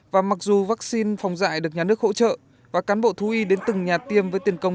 và mặc dù vaccine phòng dạy được nhà nước hỗ trợ và cán bộ thú y đến từng nhà tiêm với tiền công